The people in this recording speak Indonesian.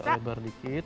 agak lebar sedikit